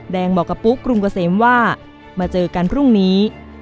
บอกกับปุ๊กรุงเกษมว่ามาเจอกันพรุ่งนี้